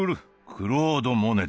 クロード・モネです。